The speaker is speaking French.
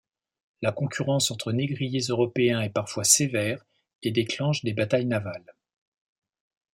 La concurrence entre négriers européens est parfois sévère et déclenche des batailles navales.